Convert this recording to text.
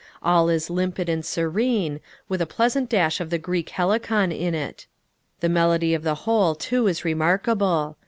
All is limpid and serene, with a pleasant dash of the Greek Helicon in it. The melody of the whole, too, is remarkable.